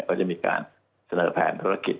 ก็จะมีการเสนอแผนธุรกิจ